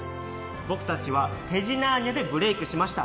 僕たちは、てじなーにゃでブレークしました。